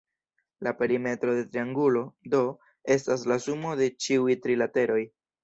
La perimetro de triangulo, do, estas la sumo de ĉiuj tri lateroj.